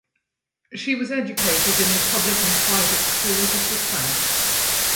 She was educated in the public and private schools of the South.